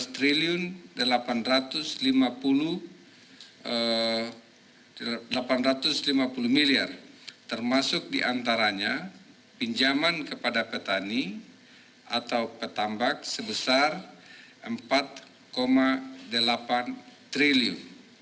triliun delapan ratus lima puluh miliar termasuk diantaranya pinjaman kepada petani atau petambak sebesar rp empat delapan triliun